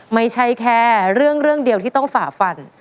ไม่ใช่แค่เรื่องเดียวที่ต้องฝ่าฟัน